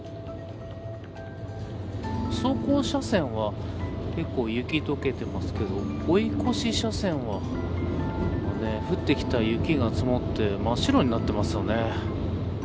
走行車線は結構、雪が解けてますが追い越し車線は降ってきた雪が積もって真っ白になっていますね。